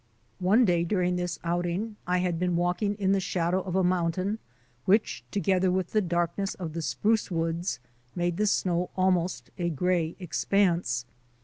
One day during this outing I had been walking WINTER MOUNTAINEERING 59 in the shadow of a mountain, which, together with the darkness of the spruce woods, made the snow almost a gray expanse.